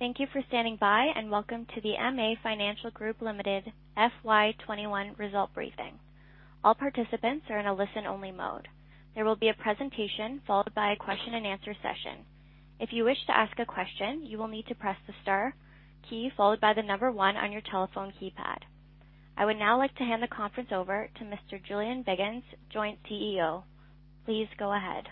Thank you for standing by, and welcome to the MA Financial Group Limited FY 2021 results briefing. All participants are in a listen-only mode. There will be a presentation followed by a question-and-answer session. If you wish to ask a question, you will need to press the star key followed by the number 1 on your telephone keypad. I would now like to hand the conference over to Mr. Julian Biggins, Joint CEO. Please go ahead.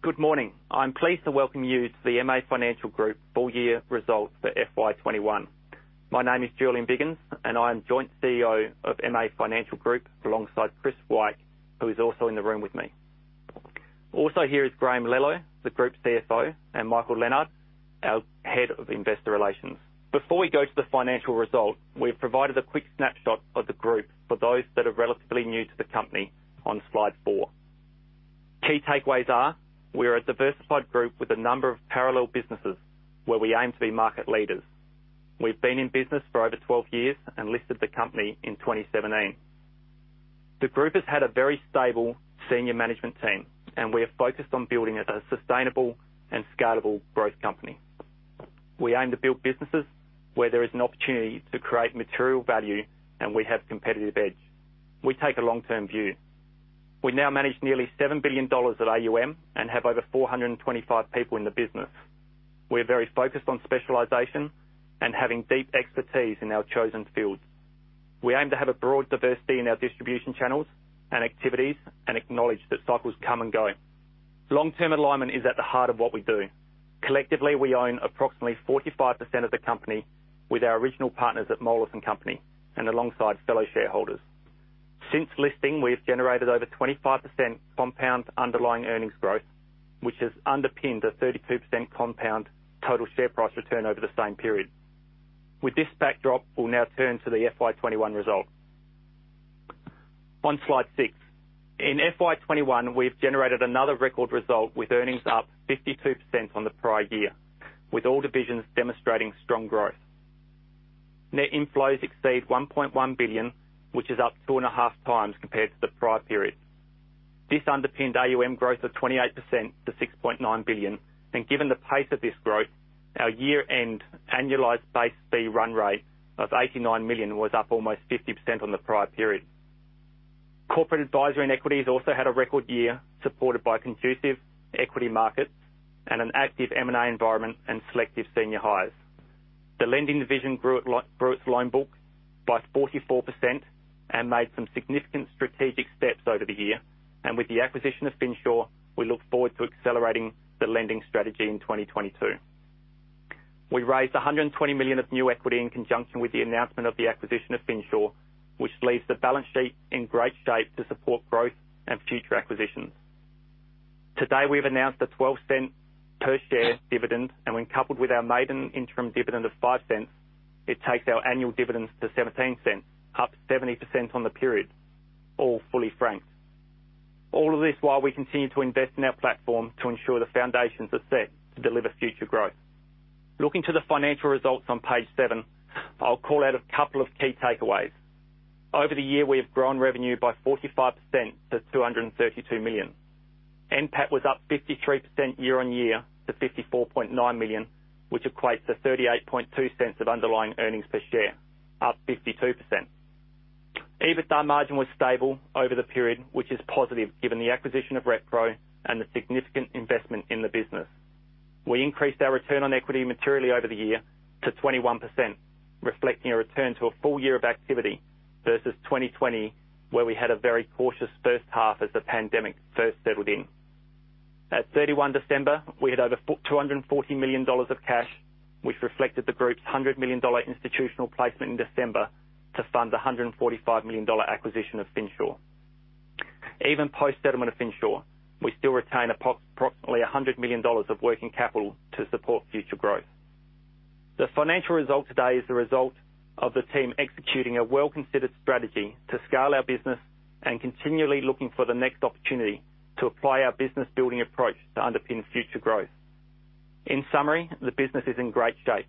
Good morning. I'm pleased to welcome you to the MA Financial Group full year results for FY 2021. My name is Julian Biggins, and I am Joint CEO of MA Financial Group, alongside Chris Wyke, who is also in the room with me. Also here is Graham Lello, the Group CFO, and Michael Leonard, our Head of Investor Relations. Before we go to the financial result, we have provided a quick snapshot of the group for those that are relatively new to the company on slide 4. Key takeaways are, we are a diversified group with a number of parallel businesses where we aim to be market leaders. We've been in business for over 12 years and listed the company in 2017. The group has had a very stable senior management team, and we are focused on building a sustainable and scalable growth company. We aim to build businesses where there is an opportunity to create material value and we have competitive edge. We take a long-term view. We now manage nearly 7 billion dollars at AUM and have over 425 people in the business. We are very focused on specialization and having deep expertise in our chosen fields. We aim to have a broad diversity in our distribution channels and activities and acknowledge that cycles come and go. Long-term alignment is at the heart of what we do. Collectively, we own approximately 45% of the company with our original partners at Moelis & Company and alongside fellow shareholders. Since listing, we have generated over 25% compound underlying earnings growth, which has underpinned a 32% compound total share price return over the same period. With this backdrop, we'll now turn to the FY 2021 result. On slide six. In FY 2021, we've generated another record result with earnings up 52% on the prior year, with all divisions demonstrating strong growth. Net inflows exceed 1.1 billion, which is up two point five times compared to the prior period. This underpinned AUM growth of 28% to 6.9 billion. Given the pace of this growth, our year-end annualized base fee run rate of 89 million was up almost 50% on the prior period. Corporate advisory and equities also had a record year, supported by conducive equity markets and an active M&A environment and selective senior hires. The lending division grew its loan book by 44% and made some significant strategic steps over the year. With the acquisition of Finsure, we look forward to accelerating the lending strategy in 2022. We raised AUD 120 million of new equity in conjunction with the announcement of the acquisition of Finsure, which leaves the balance sheet in great shape to support growth and future acquisitions. Today, we've announced an 0.12 per share dividend, and when coupled with our maiden interim dividend of 0.05, it takes our annual dividends to 0.17, up 70% on the period, all fully franked. All of this while we continue to invest in our platform to ensure the foundations are set to deliver future growth. Looking to the financial results on page seven, I'll call out a couple of key takeaways. Over the year, we have grown revenue by 45% to 232 million. NPAT was up 53% year-on-year to 54.9 million, which equates to 0.382 of underlying earnings per share, up 52%. EBITDA margin was stable over the period, which is positive given the acquisition of Retpro and the significant investment in the business. We increased our return on equity materially over the year to 21%, reflecting a return to a full year of activity versus 2020, where we had a very cautious H1 as the pandemic first settled in. At 31st December, we had over 240 million dollars of cash, which reflected the group's 100 million dollar institutional placement in December to fund the 145 million dollar acquisition of Finsure. Even post-settlement of Finsure, we still retain approximately 100 million dollars of working capital to support future growth. The financial result today is the result of the team executing a well-considered strategy to scale our business and continually looking for the next opportunity to apply our business building approach to underpin future growth. In summary, the business is in great shape.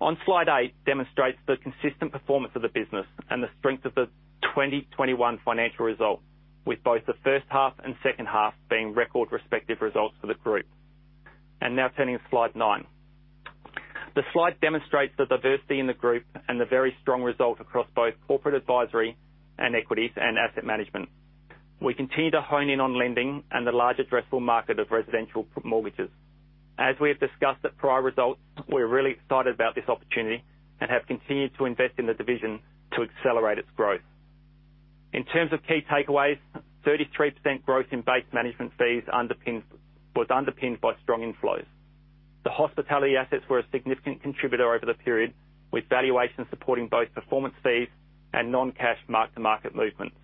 On slide eight demonstrates the consistent performance of the business and the strength of the 2021 financial result, with both the first half and second half being record respective results for the group. Now turning to slide nine. The slide demonstrates the diversity in the group and the very strong result across both corporate advisory and equities and asset management. We continue to hone in on lending and the large addressable market of residential mortgages. As we have discussed at prior results, we're really excited about this opportunity and have continued to invest in the division to accelerate its growth. In terms of key takeaways, 33% growth in base management fees was underpinned by strong inflows. The hospitality assets were a significant contributor over the period, with valuations supporting both performance fees and non-cash mark-to-market movements.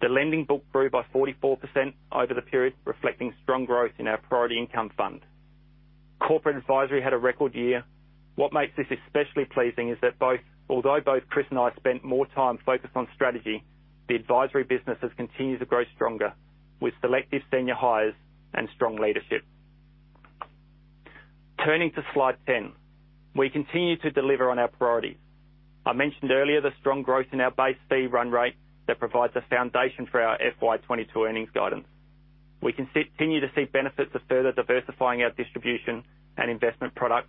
The lending book grew by 44% over the period, reflecting strong growth in our Priority Income Fund. Corporate Advisory had a record year. What makes this especially pleasing is that although both Chris Wyke and I spent more time focused on strategy, the advisory business has continued to grow stronger with selective senior hires and strong leadership. Turning to slide 10. We continue to deliver on our priorities. I mentioned earlier the strong growth in our base fee run rate that provides a foundation for our FY 2022 earnings guidance. We continue to see benefits of further diversifying our distribution and investment products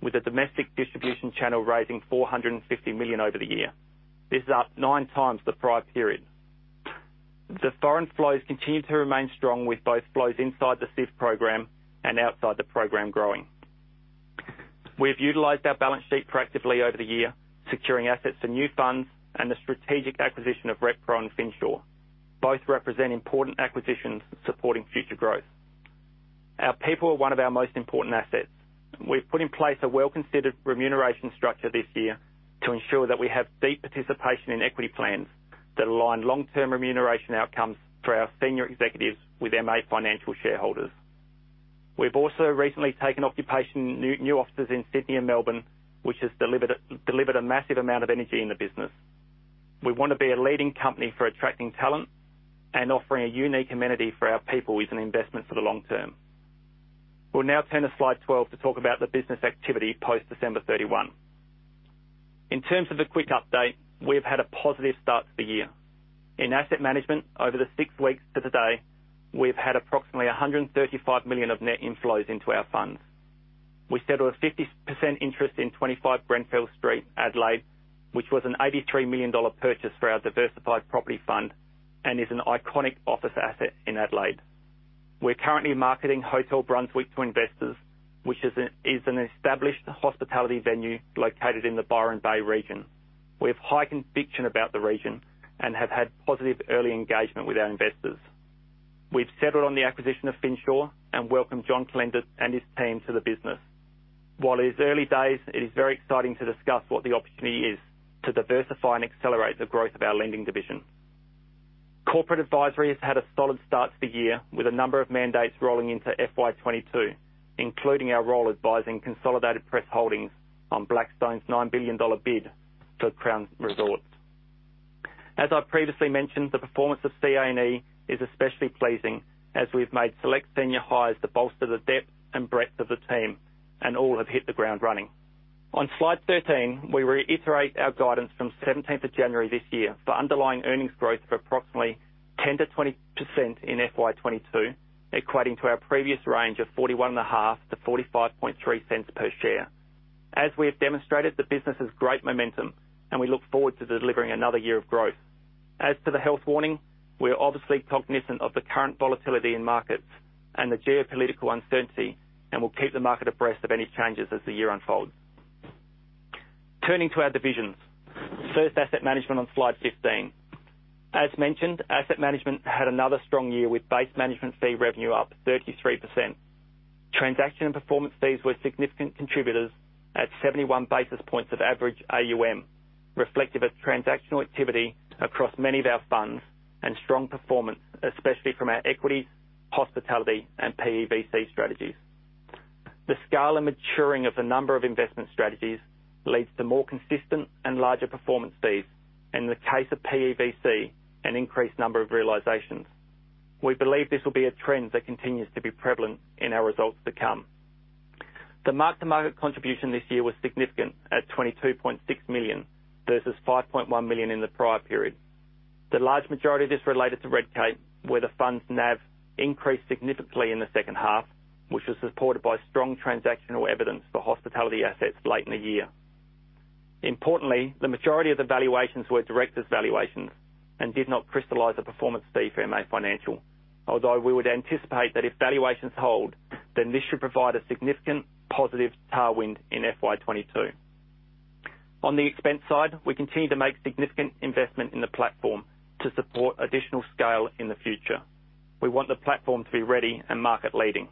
with a domestic distribution channel raising 450 million over the year. This is up nine times the prior period. The foreign flows continue to remain strong with both flows inside the SIF program and outside the program growing. We've utilized our balance sheet proactively over the year, securing assets for new funds and the strategic acquisition of RetPro and Finsure. Both represent important acquisitions supporting future growth. Our people are one of our most important assets. We've put in place a well-considered remuneration structure this year to ensure that we have deep participation in equity plans that align long-term remuneration outcomes through our senior executives with MA Financial shareholders. We've also recently taken occupation new offices in Sydney and Melbourne, which has delivered a massive amount of energy in the business. We wanna be a leading company for attracting talent and offering a unique amenity for our people with an investment for the long term. We'll now turn to slide 12 to talk about the business activity post-December 31. In terms of a quick update, we've had a positive start to the year. In asset management, over the six weeks to today, we've had approximately 135 million of net inflows into our funds. We settled a 50% interest in 25 Grenfell Street, Adelaide, which was an 83 million dollar purchase for our diversified property fund and is an iconic office asset in Adelaide. We're currently marketing Hotel Brunswick to investors, which is an established hospitality venue located in the Byron Bay region. We have high conviction about the region and have had positive early engagement with our investors. We've settled on the acquisition of Finsure and welcomed John Kolenda and his team to the business. While it is early days, it is very exciting to discuss what the opportunity is to diversify and accelerate the growth of our lending division. Corporate Advisory has had a solid start to the year with a number of mandates rolling into FY 2022, including our role advising Consolidated Press Holdings on Blackstone's 9 billion dollar bid for Crown Resorts. As I previously mentioned, the performance of C&E is especially pleasing as we've made select senior hires to bolster the depth and breadth of the team, and all have hit the ground running. On slide 13, we reiterate our guidance from 17th of January this year for underlying earnings growth of approximately 10%-20% in FY 2022, equating to our previous range of 41.5-45.3 cents per share. As we have demonstrated, the business has great momentum and we look forward to delivering another year of growth. As to the health warning, we are obviously cognizant of the current volatility in markets and the geopolitical uncertainty, and we'll keep the market abreast of any changes as the year unfolds. Turning to our divisions. First, asset management on slide 15. As mentioned, asset management had another strong year with base management fee revenue up 33%. Transaction and performance fees were significant contributors at 71 basis points of average AUM, reflective of transactional activity across many of our funds and strong performance, especially from our equities, hospitality, and PEVC strategies. The scale and maturing of the number of investment strategies leads to more consistent and larger performance fees, in the case of PEVC, an increased number of realizations. We believe this will be a trend that continues to be prevalent in our results to come. The mark-to-market contribution this year was significant at 22.6 million versus 5.1 million in the prior period. The large majority of this related to Redcape, where the fund's NAV increased significantly in the second half, which was supported by strong transactional evidence for hospitality assets late in the year. Importantly, the majority of the valuations were directors' valuations and did not crystallize a performance fee for MA Financial. Although we would anticipate that if valuations hold, then this should provide a significant positive tailwind in FY 2022. On the expense side, we continue to make significant investment in the platform to support additional scale in the future. We want the platform to be ready and market leading.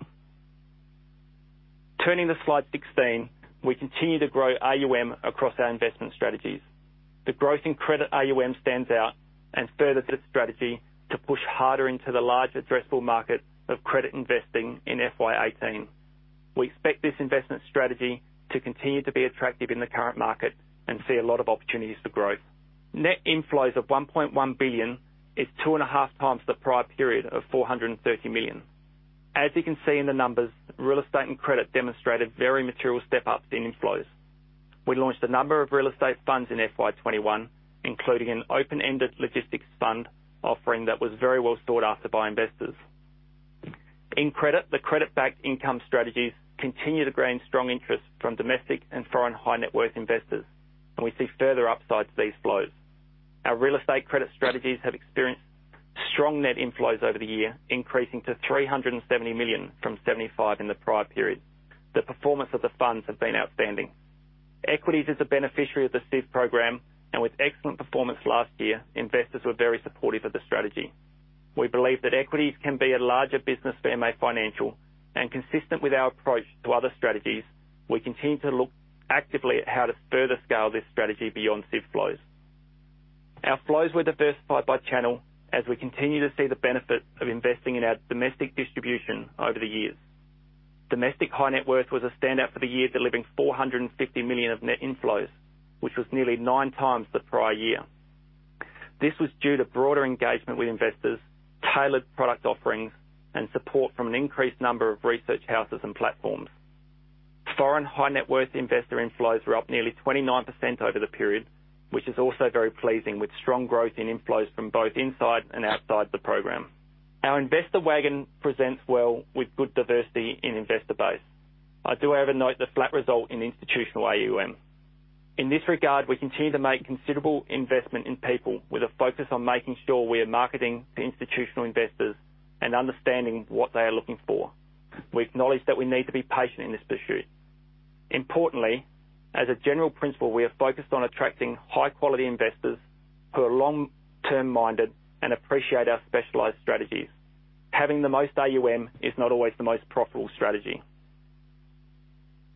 Turning to slide 16, we continue to grow AUM across our investment strategies. The growth in credit AUM stands out and furthers its strategy to push harder into the large addressable market of credit investing in FY 2018. We expect this investment strategy to continue to be attractive in the current market and see a lot of opportunities for growth. Net inflows of 1.1 billion is two point five times the prior period of 430 million. As you can see in the numbers, real estate and credit demonstrated very material step-ups in inflows. We launched a number of real estate funds in FY 2021, including an open-ended logistics fund offering that was very well sought after by investors. In credit, the credit-backed income strategies continue to gain strong interest from domestic and foreign high net worth investors, and we see further upsides to these flows. Our real estate credit strategies have experienced strong net inflows over the year, increasing to 370 million from 75 million in the prior period. The performance of the funds have been outstanding. Equities is a beneficiary of the SIF program and with excellent performance last year, investors were very supportive of the strategy. We believe that equities can be a larger business for MA Financial and consistent with our approach to other strategies, we continue to look actively at how to further scale this strategy beyond SIF flows. Our flows were diversified by channel as we continue to see the benefit of investing in our domestic distribution over the years. Domestic high net worth was a standout for the year, delivering 450 million of net inflows, which was nearly 9 times the prior year. This was due to broader engagement with investors, tailored product offerings, and support from an increased number of research houses and platforms. Foreign high net worth investor inflows were up nearly 29% over the period, which is also very pleasing with strong growth in inflows from both inside and outside the program. Our investor wagon presents well with good diversity in investor base. I do acknowledge the flat result in institutional AUM. In this regard, we continue to make considerable investment in people with a focus on making sure we are marketing to institutional investors and understanding what they are looking for. We acknowledge that we need to be patient in this pursuit. Importantly, as a general principle, we are focused on attracting high quality investors who are long-term minded and appreciate our specialized strategies. Having the most AUM is not always the most profitable strategy.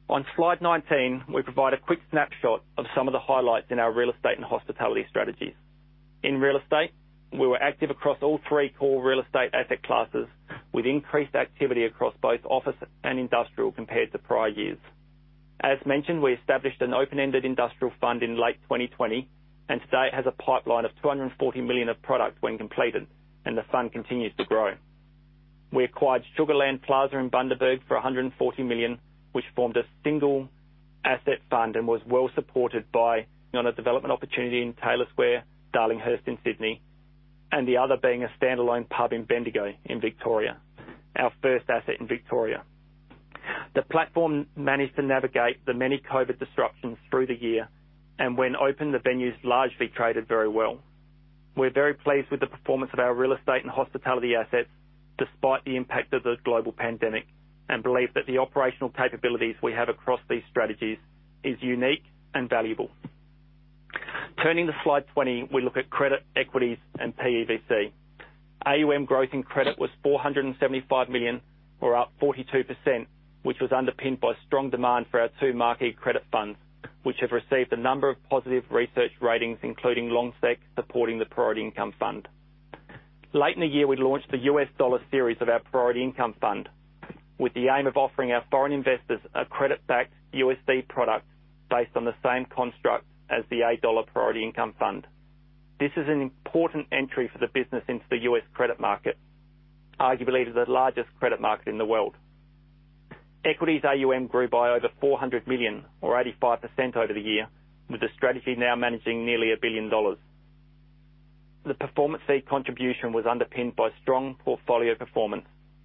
On slide 19, we provide a quick snapshot of some of the highlights in our real estate and hospitality strategies. In real estate, we were active across all three core real estate asset classes, with increased activity across both office and industrial compared to prior years. As mentioned, we established an open-ended industrial fund in late 2020, and today it has a pipeline of 240 million of product when completed, and the fund continues to grow. We acquired Sugarland Plaza in Bundaberg for 140 million, which formed a single asset fund and was well-supported by one, a development opportunity in Taylor Square, Darlinghurst in Sydney, and the other being a standalone pub in Bendigo in Victoria, our first asset in Victoria. The platform managed to navigate the many COVID disruptions through the year, and when open, the venues largely traded very well. We're very pleased with the performance of our real estate and hospitality assets despite the impact of the global pandemic, and believe that the operational capabilities we have across these strategies is unique and valuable. Turning to slide 20, we look at credit, equities, and PEVC. AUM growth in credit was 475 million or up 42%, which was underpinned by strong demand for our two marquee credit funds, which have received a number of positive research ratings, including Lonsec supporting the Priority Income Fund. Late in the year, we launched the U.S. dollar series of our Priority Income Fund, with the aim of offering our foreign investors a credit-backed USD product based on the same construct as the A dollar Priority Income Fund. This is an important entry for the business into the U.S. credit market, arguably the largest credit market in the world. Equities AUM grew by over 400 million or 85% over the year, with the strategy now managing nearly 1 billion dollars. The performance fee contribution was underpinned by strong portfolio performance.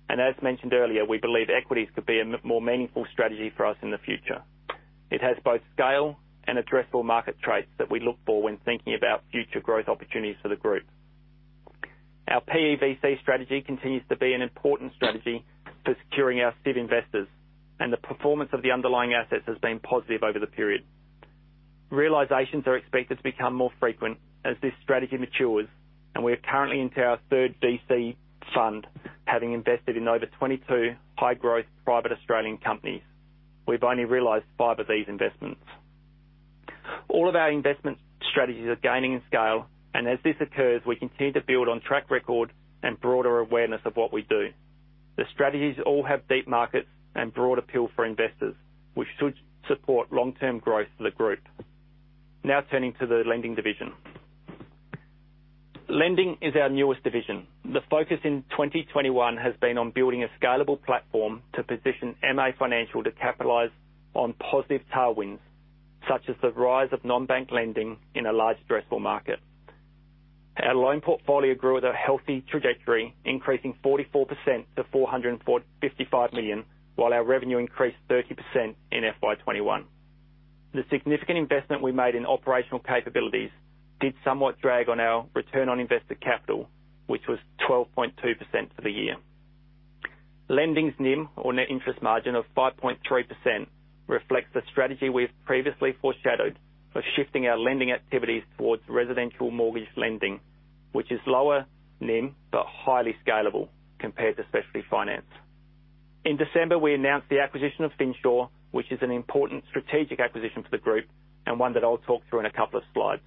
As mentioned earlier, we believe equities could be a more meaningful strategy for us in the future. It has both scale and addressable market traits that we look for when thinking about future growth opportunities for the group. Our PEVC strategy continues to be an important strategy for securing our SIV investors, and the performance of the underlying assets has been positive over the period. Realizations are expected to become more frequent as this strategy matures, and we are currently into our third VC fund, having invested in over 22 high growth private Australian companies. We've only realized five of these investments. All of our investment strategies are gaining in scale, and as this occurs, we continue to build on track record and broader awareness of what we do. The strategies all have deep markets and broad appeal for investors, which should support long-term growth for the group. Now turning to the lending division. Lending is our newest division. The focus in 2021 has been on building a scalable platform to position MA Financial to capitalize on positive tailwinds, such as the rise of non-bank lending in a large addressable market. Our loan portfolio grew at a healthy trajectory, increasing 44% to 455 million, while our revenue increased 30% in FY 2021. The significant investment we made in operational capabilities did somewhat drag on our return on investor capital, which was 12.2% for the year. Lending's NIM, or net interest margin, of 5.3% reflects the strategy we've previously foreshadowed of shifting our lending activities towards residential mortgage lending, which is lower NIM, but highly scalable compared to specialty finance. In December, we announced the acquisition of Finsure, which is an important strategic acquisition for the group and one that I'll talk through in a couple of slides.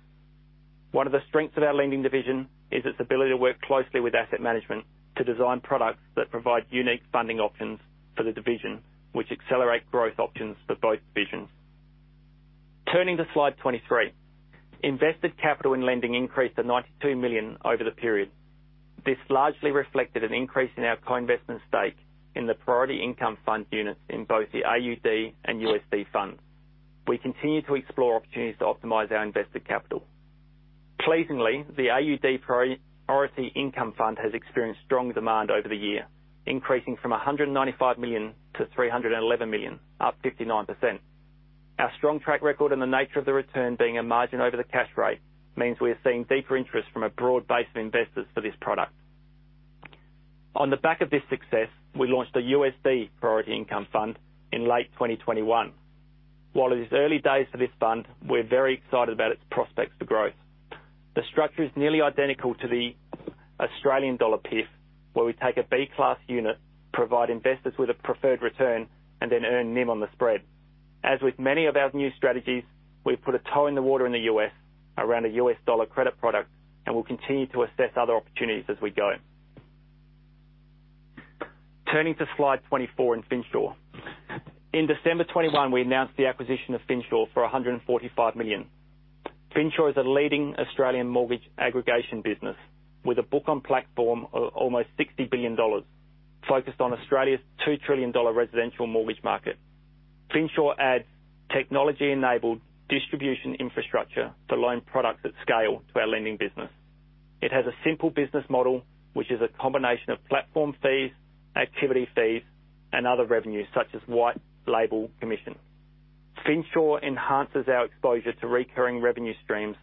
One of the strengths of our lending division is its ability to work closely with asset management to design products that provide unique funding options for the division, which accelerate growth options for both divisions. Turning to slide 23. Invested capital and lending increased to 92 million over the period. This largely reflected an increase in our co-investment stake in the Priority Income Fund units in both the AUD and USD funds. We continue to explore opportunities to optimize our invested capital. Pleasingly, the AUD Priority Income Fund has experienced strong demand over the year, increasing from 195 million to 311 million, up 59%. Our strong track record and the nature of the return being a margin over the cash rate means we are seeing deeper interest from a broad base of investors for this product. On the back of this success, we launched a USD Priority Income Fund in late 2021. While it is early days for this fund, we're very excited about its prospects for growth. The structure is nearly identical to the Australian dollar PIF, where we take a B class unit, provide investors with a preferred return, and then earn NIM on the spread. As with many of our new strategies, we've put a toe in the water in the U.S. around a U.S. dollar credit product, and we'll continue to assess other opportunities as we go. Turning to slide 24 in Finsure. In December 2021, we announced the acquisition of Finsure for 145 million. Finsure is a leading Australian mortgage aggregation business with a book on platform of almost 60 billion dollars focused on Australia's 2 trillion dollar residential mortgage market. Finsure adds technology-enabled distribution infrastructure to loan products at scale to our lending business. It has a simple business model, which is a combination of platform fees, activity fees, and other revenues such as white label commission. Finsure enhances our exposure to recurring revenue streams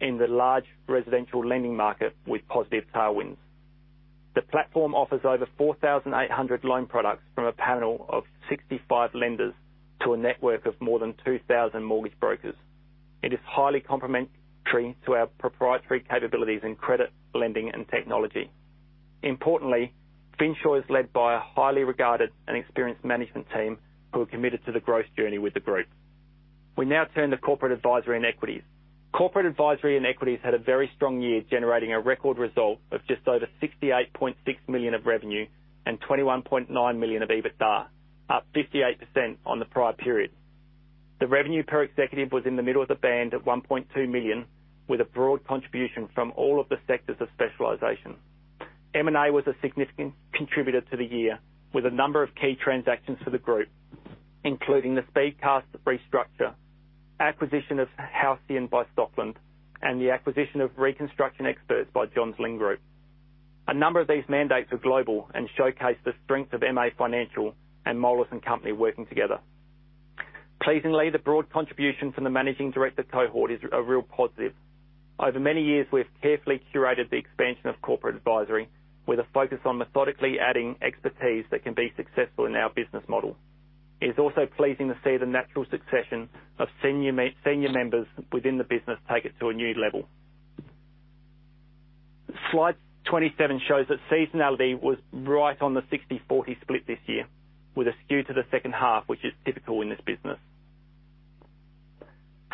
in the large residential lending market with positive tailwinds. The platform offers over 4,800 loan products from a panel of 65 lenders to a network of more than 2,000 mortgage brokers. It is highly complementary to our proprietary capabilities in credit lending and technology. Importantly, Finsure is led by a highly regarded and experienced management team who are committed to the growth journey with the group. We now turn to corporate advisory and equities. Corporate advisory equities had a very strong year, generating a record result of just over 68.6 million of revenue and 21.9 million of EBITDA, up 58% on the prior period. The revenue per executive was in the middle of the band at 1.2 million, with a broad contribution from all of the sectors of specialization. M&A was a significant contributor to the year with a number of key transactions for the group, including the Speedcast restructure, acquisition of Halcyon by Stockland, and the acquisition of Reconstruction Experts by Johns Lyng Group. A number of these mandates were global and showcase the strength of MA Financial and Moelis & Company working together. Pleasingly, the broad contribution from the managing director cohort is a real positive. Over many years, we've carefully curated the expansion of corporate advisory with a focus on methodically adding expertise that can be successful in our business model. It's also pleasing to see the natural succession of senior members within the business take it to a new level. Slide 27 shows that seasonality was right on the 60-40 split this year with a skew to the second half, which is typical in this business.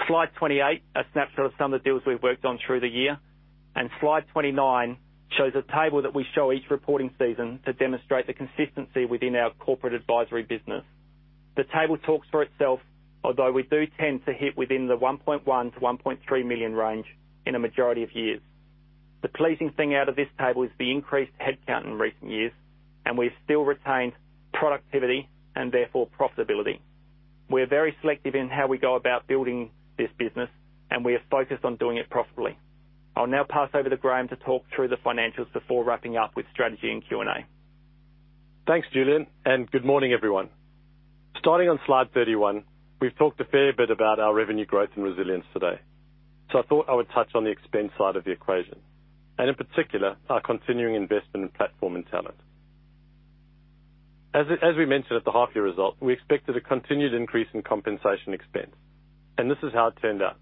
Slide 28, a snapshot of some of the deals we've worked on through the year, and Slide 29 shows a table that we show each reporting season to demonstrate the consistency within our corporate advisory business. The table talks for itself, although we do tend to hit within the 1.1 million-1.3 million range in a majority of years. The pleasing thing out of this table is the increased headcount in recent years, and we've still retained productivity and therefore profitability. We're very selective in how we go about building this business, and we are focused on doing it profitably. I'll now pass over to Graham to talk through the financials before wrapping up with strategy and Q&A. Thanks, Julian, and good morning, everyone. Starting on slide 31, we've talked a fair bit about our revenue growth and resilience today. I thought I would touch on the expense side of the equation and in particular, our continuing investment in platform and talent. As we mentioned at the half year result, we expected a continued increase in compensation expense, and this is how it turned out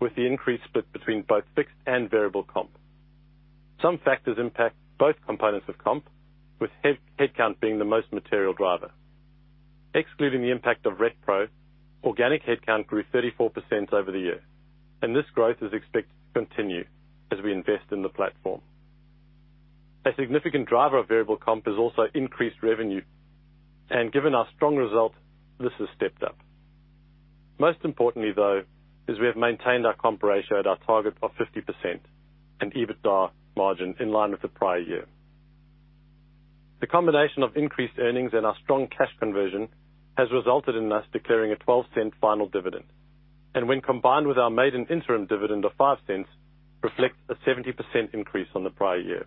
with the increase split between both fixed and variable comp. Some factors impact both components of comp, with headcount being the most material driver. Excluding the impact of RetPro, organic headcount grew 34% over the year, and this growth is expected to continue as we invest in the platform. A significant driver of variable comp has also increased revenue, and given our strong result, this has stepped up. Most importantly, though, is we have maintained our comp ratio at our target of 50% and EBITDA margin in line with the prior year. The combination of increased earnings and our strong cash conversion has resulted in us declaring a 0.12 final dividend, and when combined with our maiden interim dividend of 0.05 reflects a 70% increase on the prior year.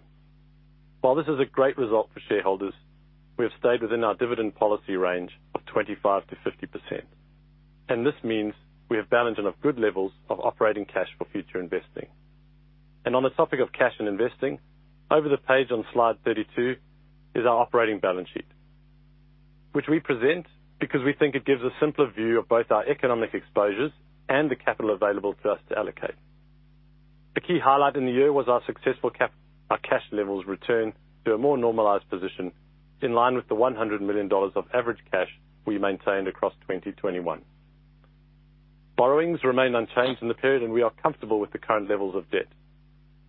While this is a great result for shareholders, we have stayed within our dividend policy range of 25% to 50%, and this means we have balanced and have good levels of operating cash for future investing. On the topic of cash and investing, over the page on slide 32 is our operating balance sheet, which we present because we think it gives a simpler view of both our economic exposures and the capital available to us to allocate. The key highlight in the year was our successful recap, our cash levels return to a more normalized position in line with the 100 million dollars of average cash we maintained across 2021. Borrowings remain unchanged in the period, and we are comfortable with the current levels of debt.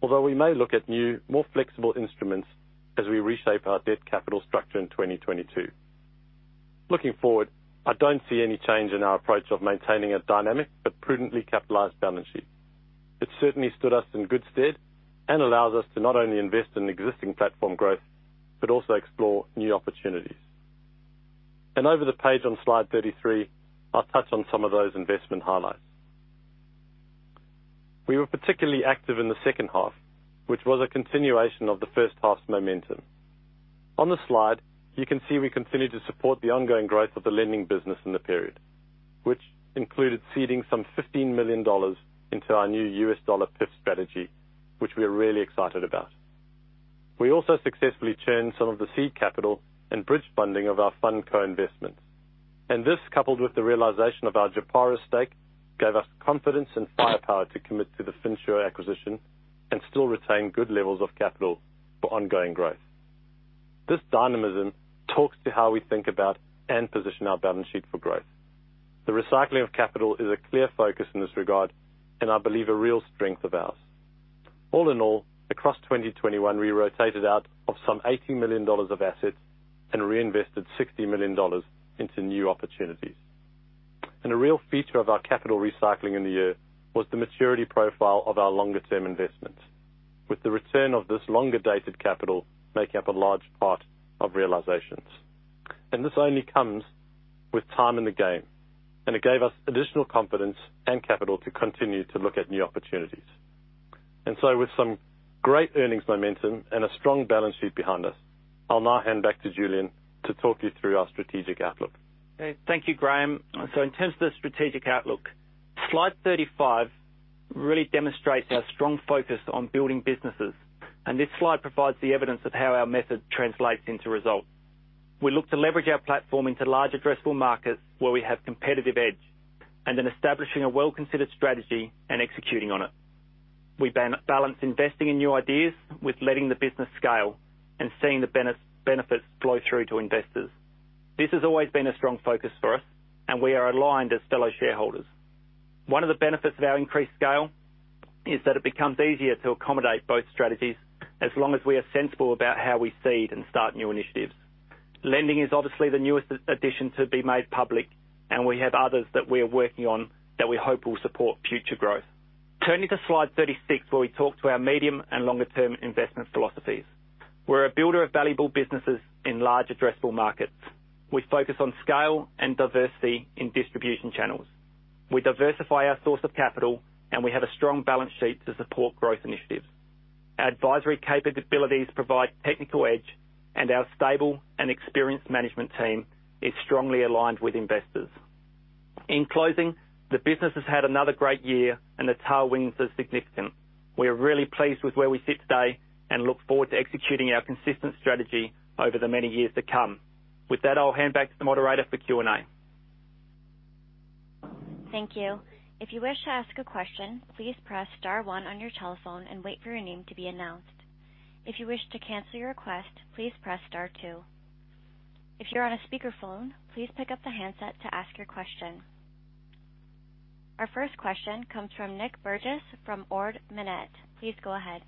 Although we may look at new, more flexible instruments as we reshape our debt capital structure in 2022. Looking forward, I don't see any change in our approach of maintaining a dynamic but prudently capitalized balance sheet. It certainly stood us in good stead and allows us to not only invest in existing platform growth but also explore new opportunities. Over the page on slide 33, I'll touch on some of those investment highlights. We were particularly active in the H2, which was a continuation of the first half's momentum. On the slide, you can see we continue to support the ongoing growth of the lending business in the period, which included seeding some $15 million into our new US dollar PIF strategy, which we are really excited about. We also successfully churned some of the seed capital and bridge funding of our fund co-investments. This, coupled with the realization of our Japara stake, gave us confidence and firepower to commit to the Finsure acquisition and still retain good levels of capital for ongoing growth. This dynamism talks to how we think about and position our balance sheet for growth. The recycling of capital is a clear focus in this regard, and I believe a real strength of ours. All in all, across 2021, we rotated out of some 80 million dollars of assets and reinvested 60 million dollars into new opportunities. A real feature of our capital recycling in the year was the maturity profile of our longer-term investments, with the return of this longer dated capital making up a large part of realizations. This only comes with time in the game, and it gave us additional confidence and capital to continue to look at new opportunities. With some great earnings momentum and a strong balance sheet behind us, I'll now hand back to Julian to talk you through our strategic outlook. Okay, thank you, Graham. In terms of the strategic outlook, slide 35 really demonstrates our strong focus on building businesses, and this slide provides the evidence of how our method translates into results. We look to leverage our platform into large addressable markets where we have competitive edge, and then establishing a well-considered strategy and executing on it. We balance investing in new ideas with letting the business scale and seeing the benefits flow through to investors. This has always been a strong focus for us, and we are aligned as fellow shareholders. One of the benefits of our increased scale is that it becomes easier to accommodate both strategies as long as we are sensible about how we seed and start new initiatives. Lending is obviously the newest addition to be made public, and we have others that we are working on that we hope will support future growth. Turning to slide 36, where we talk to our medium and longer-term investment philosophies. We're a builder of valuable businesses in large addressable markets. We focus on scale and diversity in distribution channels. We diversify our source of capital, and we have a strong balance sheet to support growth initiatives. Our advisory capabilities provide technical edge, and our stable and experienced management team is strongly aligned with investors. In closing, the business has had another great year, and the tailwinds are significant. We are really pleased with where we sit today and look forward to executing our consistent strategy over the many years to come. With that, I'll hand back to the moderator for Q&A. Our first question comes from Nic Burgess from Ord Minnett. Please go ahead.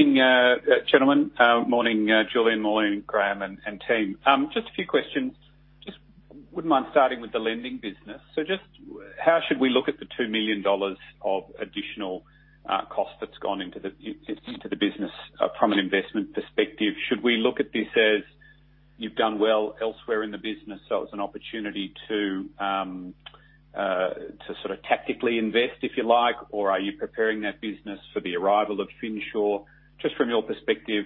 Good morning, gentlemen, morning, Julian, morning Graham and team. Just a few questions. Just wouldn't mind starting with the lending business. How should we look at the 2 million dollars of additional cost that's gone into the business from an investment perspective? Should we look at this as you've done well elsewhere in the business, it's an opportunity to sort of tactically invest, if you like? Or are you preparing that business for the arrival of Finsure? Just from your perspective,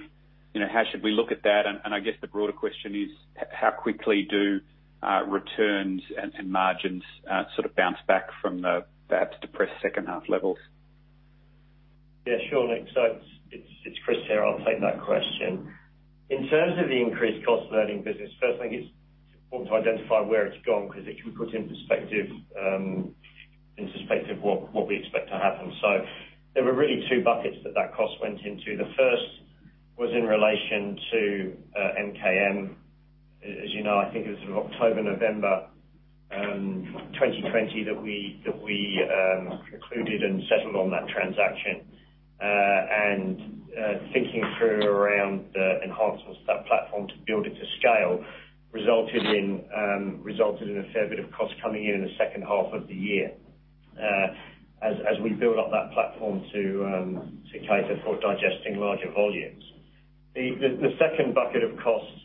you know, how should we look at that? I guess the broader question is how quickly do returns and margins sort of bounce back from the perhaps depressed second half levels? Yeah, sure, Nic. It's Chris here. I'll take that question. In terms of the increased cost of lending business, first I think it's important to identify where it's gone because it can put in perspective what we expect to happen. There were really two buckets that cost went into. The first was in relation to MKM. As you know, I think it was October, November 2020 that we concluded and settled on that transaction. Thinking through around the enhancements to that platform to build it to scale resulted in a fair bit of cost coming in in the second half of the year as we build up that platform to cater for digesting larger volumes. The second bucket of costs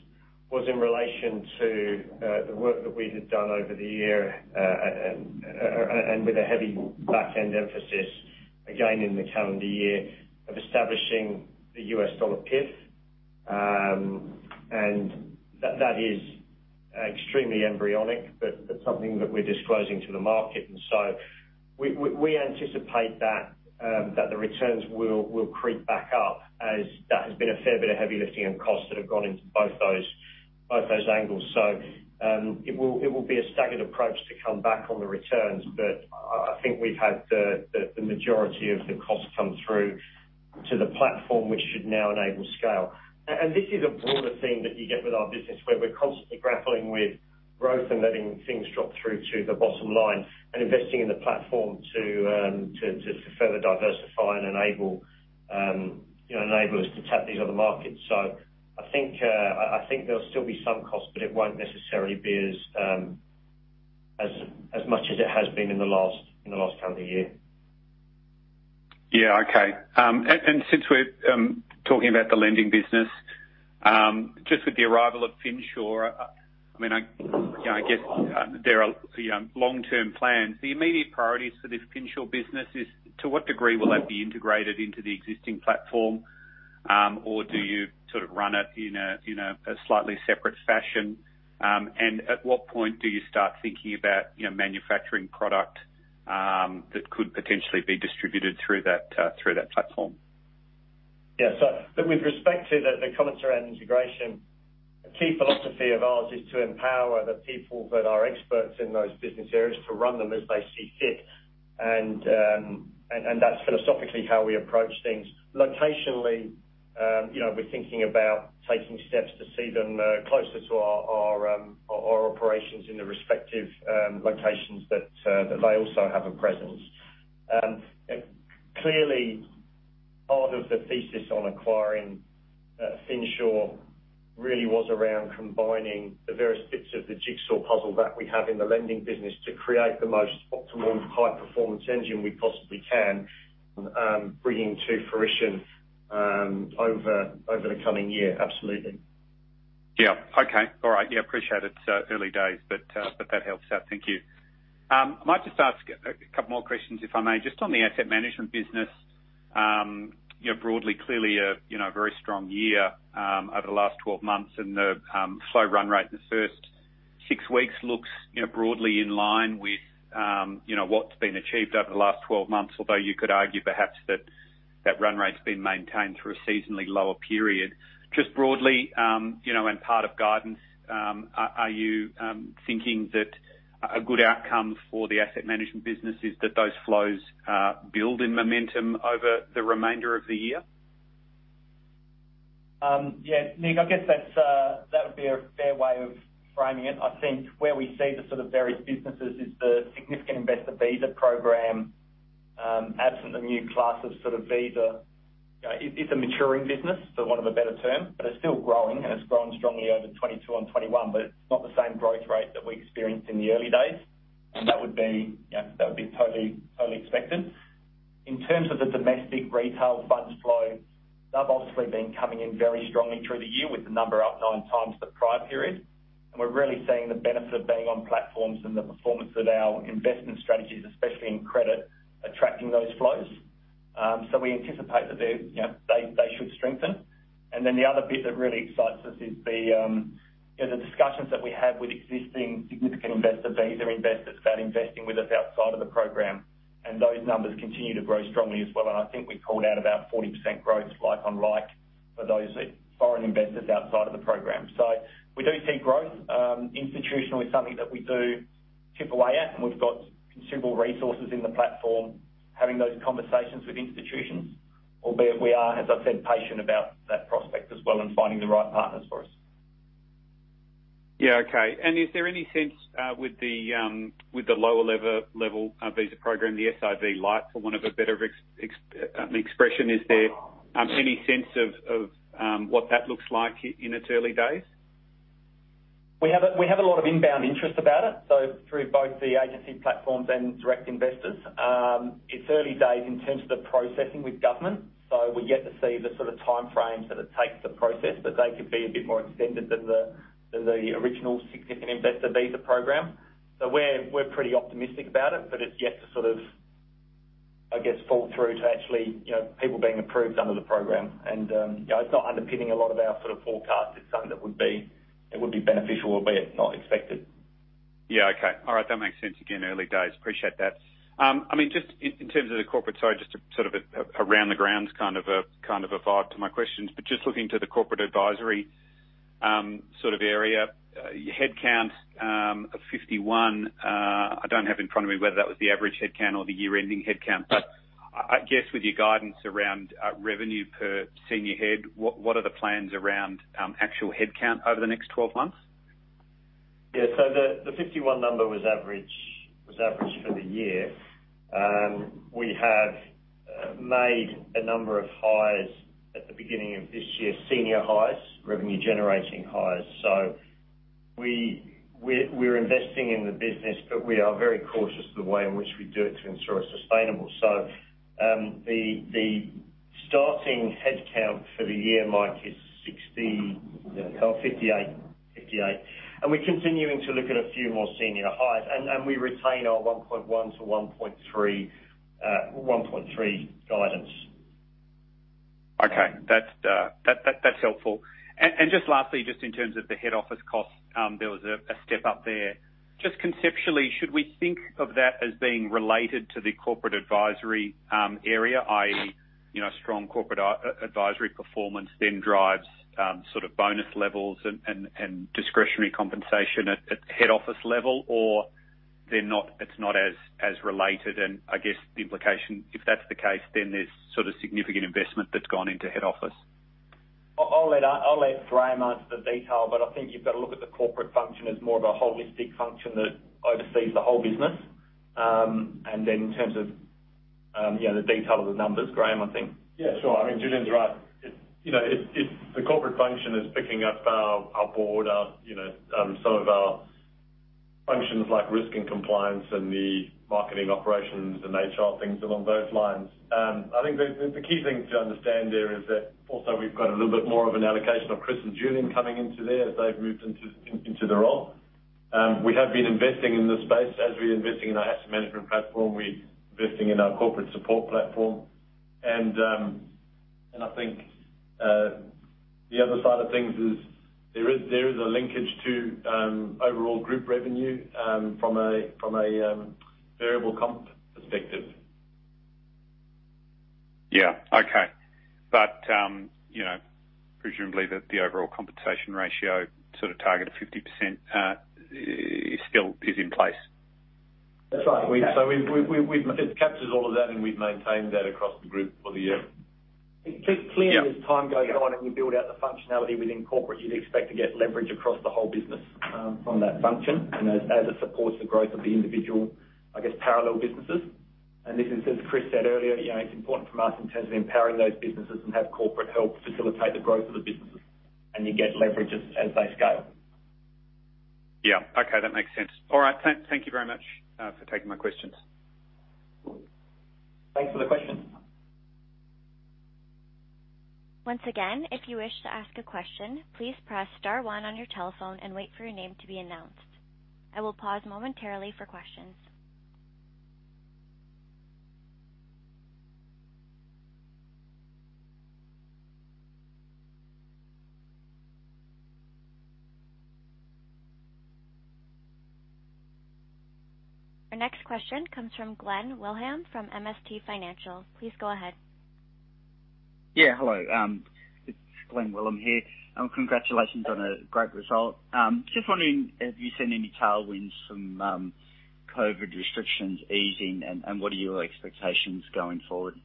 was in relation to the work that we had done over the year and with a heavy back end emphasis, again in the calendar year, of establishing the U.S. dollar PIF. That is extremely embryonic, but it's something that we're disclosing to the market. We anticipate that the returns will creep back up as that has been a fair bit of heavy lifting and costs that have gone into both those angles. It will be a staggered approach to come back on the returns, but I think we've had the majority of the costs come through to the platform, which should now enable scale. This is a broader theme that you get with our business, where we're constantly grappling with growth and letting things drop through to the bottom line and investing in the platform to further diversify and enable you know us to tap these other markets. I think there'll still be some cost, but it won't necessarily be as much as it has been in the last calendar year. Since we're talking about the lending business, just with the arrival of Finsure, I mean, you know, I guess, there are the long term plans. The immediate priorities for this Finsure business is to what degree will that be integrated into the existing platform? Do you sort of run it in a slightly separate fashion? At what point do you start thinking about, you know, manufacturing product that could potentially be distributed through that platform? Yeah. With respect to the comments around integration, a key philosophy of ours is to empower the people that are experts in those business areas to run them as they see fit. That's philosophically how we approach things. You know, we're thinking about taking steps to see them closer to our operations in the respective locations that they also have a presence. Clearly, part of the thesis on acquiring Finsure really was around combining the various bits of the jigsaw puzzle that we have in the lending business to create the most optimal high-performance engine we possibly can, bringing to fruition over the coming year. Absolutely. Yeah. Okay. All right. Yeah, appreciate it. Early days, but that helps out. Thank you. Might just ask a couple more questions, if I may. Just on the asset management business, you know, broadly, clearly a you know, very strong year over the last 12 months, and the flow run rate in the first six weeks looks, you know, broadly in line with you know, what's been achieved over the last 12 months. Although you could argue perhaps that that run rate's been maintained through a seasonally lower period. Just broadly, you know, and part of guidance, are you thinking that a good outcome for the asset management business is that those flows build in momentum over the remainder of the year? Yeah. Nick, I guess that's that would be a fair way of framing it. I think where we see the sort of various businesses is the Significant Investor Visa program, absent the new class of sort of visa. You know, it's a maturing business, for want of a better term, but it's still growing, and it's grown strongly over 2022 and 2021, but it's not the same growth rate that we experienced in the early days. That would be, you know, totally expected. In terms of the domestic retail funds flow, they've obviously been coming in very strongly through the year with the number up nine times the prior period. We're really seeing the benefit of being on platforms and the performance of our investment strategies, especially in credit, attracting those flows. We anticipate that they're, you know, they should strengthen. Then the other bit that really excites us is the, you know, the discussions that we have with existing Significant Investor Visa investors about investing with us outside of the program, and those numbers continue to grow strongly as well. I think we called out about 40% growth like-for-like for those foreign investors outside of the program. We do see growth. Institutional is something that we do chip away at, and we've got considerable resources in the platform, having those conversations with institutions, albeit we are, as I said, patient about that prospect as well and finding the right partners for us. Yeah. Okay. Is there any sense with the lower level visa program, the SIV light, for want of a better expression, is there any sense of what that looks like in its early days? We have a lot of inbound interest about it, so through both the agency platforms and direct investors. It's early days in terms of the processing with government, so we're yet to see the sort of timeframes that it takes to process, but they could be a bit more extended than the original Significant Investor Visa program. We're pretty optimistic about it, but it's yet to sort of, I guess, flow through to actually, you know, people being approved under the program. You know, it's not underpinning a lot of our sort of forecast. It's something that would be beneficial, albeit not expected. Yeah. Okay. All right. That makes sense. Again, early days. Appreciate that. I mean, just in terms of the corporate side, just to sort of around the grounds, kind of a vibe to my questions, but just looking to the corporate advisory sort of area, your headcount of 51, I don't have in front of me whether that was the average headcount or the year-ending headcount. I guess with your guidance around revenue per senior head, what are the plans around actual headcount over the next 12 months? Yeah. The 51 number was average for the year. We have made a number of hires at the beginning of this year, senior hires, revenue-generating hires. We're investing in the business, but we are very cautious of the way in which we do it to ensure it's sustainable. The starting headcount for the year, Mike, is 58. We're continuing to look at a few more senior hires. We retain our 1.1-1.3 guidance. Okay. That's helpful. Just lastly, just in terms of the head office costs, there was a step up there. Just conceptually, should we think of that as being related to the corporate advisory area, i.e., strong corporate advisory performance then drives sort of bonus levels and discretionary compensation at head office level? Or it's not as related and I guess the implication, if that's the case, then there's sort of significant investment that's gone into head office? I'll let Graham answer the detail, but I think you've got to look at the corporate function as more of a holistic function that oversees the whole business. In terms of, you know, the detail of the numbers, Graham, I think. Yeah, sure. I mean, Julian's right. It's, you know, it's the corporate function is picking up our board, you know, some of our functions like risk and compliance and the marketing operations and HR things along those lines. I think the key thing to understand there is that also we've got a little bit more of an allocation of Chris and Julian coming into there as they've moved into the role. We have been investing in the space. As we're investing in our asset management platform, we're investing in our corporate support platform. And I think the other side of things is there is a linkage to overall group revenue from a variable comp perspective. Yeah. Okay. You know, presumably the overall compensation ratio sort of target of 50%, it still is in place? That's right. It captures all of that, and we've maintained that across the group for the year. It keeps clearing as time goes on and we build out the functionality within corporate. You'd expect to get leverage across the whole business from that function and as it supports the growth of the individual, I guess, parallel businesses. This is, as Chris said earlier, you know, it's important for us in terms of empowering those businesses and have corporate help facilitate the growth of the businesses and you get leverage as they scale. Yeah. Okay. That makes sense. All right. Thank you very much for taking my questions. Thanks for the question. Once again, if you wish to ask a question, please press star one on your telephone and wait for your name to be announced. I will pause momentarily for questions. Our next question comes from Glen Wellham from MST Financial. Please go ahead. Yeah, hello. It's Glen Wellham here. Congratulations on a great result. Just wondering if you've seen any tailwinds from COVID restrictions easing and what are your expectations going forward?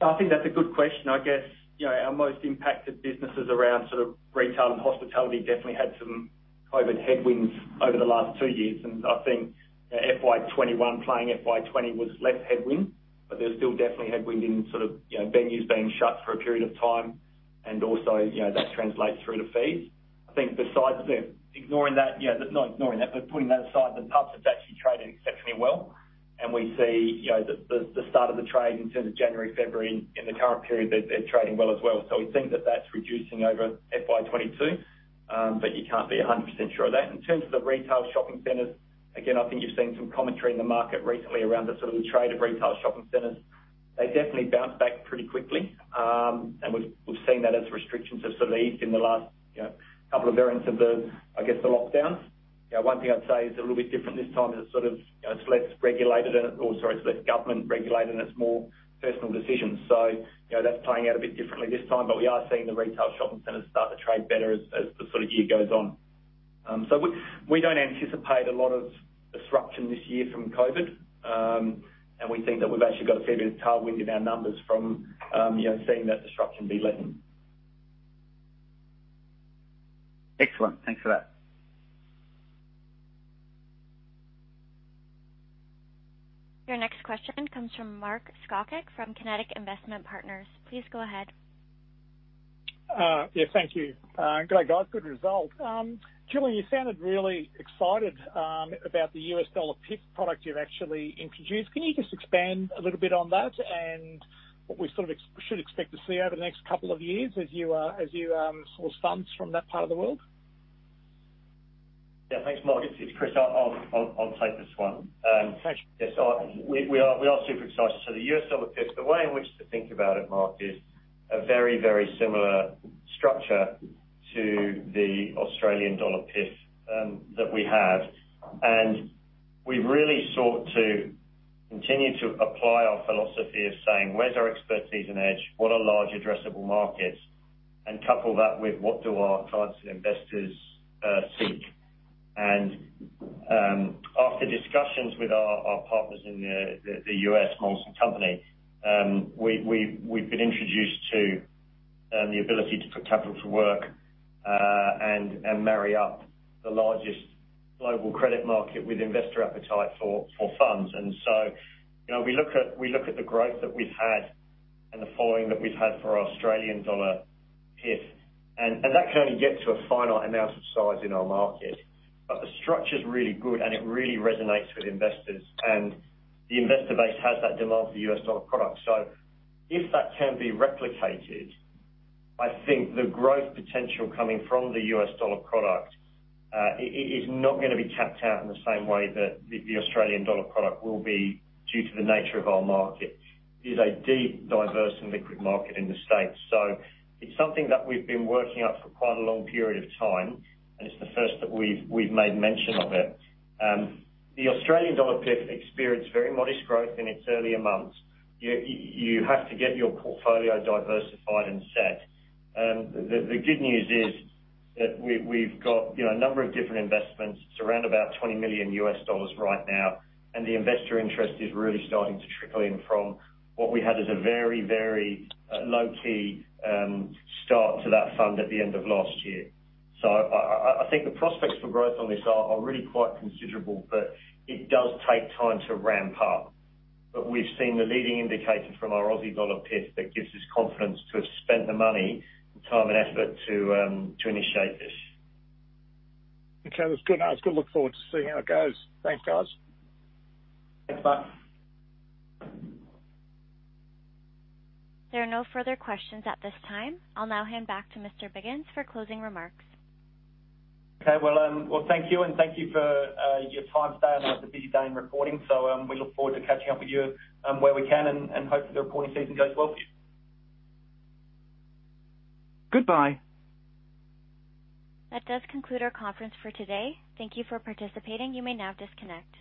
I think that's a good question. I guess, you know, our most impacted businesses around sort of retail and hospitality definitely had some COVID headwinds over the last two years. I think FY 2021 and FY 2020 was less headwind, but they're still definitely headwind in sort of, you know, venues being shut for a period of time and also, you know, that translates through to fees. I think besides that, ignoring that, you know, not ignoring that, but putting that aside, the pub's actually trading exceptionally well. We see, you know, the start of the trade in terms of January, February in the current period that they're trading well as well. We think that that's reducing over FY 2022, but you can't be 100% sure of that. In terms of the retail shopping centers, again, I think you've seen some commentary in the market recently around the sort of the trade of retail shopping centers. They definitely bounce back pretty quickly. We've seen that as restrictions have sort of eased in the last, you know, couple of variants of the, I guess, the lockdowns. You know, one thing I'd say is a little bit different this time is it's sort of, you know, it's less regulated, or sorry, it's less government regulated, and it's more personal decisions. You know, that's playing out a bit differently this time, but we are seeing the retail shopping centers start to trade better as the sort of year goes on. We don't anticipate a lot of disruption this year from COVID, and we think that we've actually got a fair bit of tailwind in our numbers from, you know, seeing that disruption be lessened. Excellent. Thanks for that. Your next question comes from Mark Skoczek from Kinetic Investment Partners. Please go ahead. Yeah, thank you. Good day, guys. Good result. Julian, you sounded really excited about the U.S. dollar PIF product you've actually introduced. Can you just expand a little bit on that and what we sort of should expect to see over the next couple of years as you source funds from that part of the world? Yeah. Thanks, Mark. It's Chris. I'll take this one. Thanks. Yes. We are super excited. The US dollar PIF, the way in which to think about it, Mark, is a very, very similar structure to the Australian dollar PIF that we have. We've really sought to continue to apply our philosophy of saying, "Where's our expertise and edge? What are large addressable markets?" Couple that with, "What do our clients and investors seek?" After discussions with our partners in the U.S., Moelis & Company, we've been introduced to the ability to put capital to work and marry up the largest global credit market with investor appetite for funds. You know, we look at the growth that we've had and the following that we've had for our Australian dollar PIF, and that can only get to a finite amount of size in our market. The structure's really good, and it really resonates with investors. The investor base has that demand for US dollar products. If that can be replicated, I think the growth potential coming from the US dollar product is not gonna be capped out in the same way that the Australian dollar product will be due to the nature of our market, is a deep, diverse, and liquid market in the States. It's something that we've been working on for quite a long period of time, and it's the first that we've made mention of it. The Australian dollar PIF experienced very modest growth in its earlier months. You have to get your portfolio diversified and set. The good news is that we've got you know a number of different investments. It's around $20 million right now, and the investor interest is really starting to trickle in from what we had as a very low-key start to that fund at the end of last year. I think the prospects for growth on this are really quite considerable, but it does take time to ramp up. We've seen the leading indicators from our Aussie dollar PIF that gives us confidence to have spent the money and time and effort to initiate this. Okay. That's good. I was gonna look forward to seeing how it goes. Thanks, guys. Thanks, Mark. There are no further questions at this time. I'll now hand back to Mr. Biggins for closing remarks. Okay. Well, thank you, and thank you for your time today. I know it's a busy day in reporting, so we look forward to catching up with you where we can, and hopefully the reporting season goes well for you. Goodbye. That does conclude our conference for today. Thank you for participating. You may now disconnect.